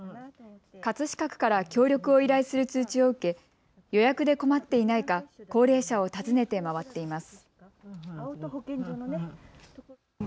葛飾区から協力を依頼する通知を受け予約で困っていないか高齢者を訪ねて回っています。